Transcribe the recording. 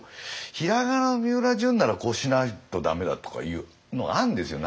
平仮名のみうらじゅんならこうしないと駄目だとかいうのがあるんですよ